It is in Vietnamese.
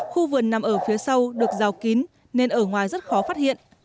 khu vườn nằm ở phía sau được rào kín nên ở ngoài rất khó phát hiện